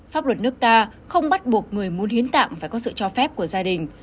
pháp luật nước ta không bắt buộc người muốn hiến tạng phải có sự cho phép của gia đình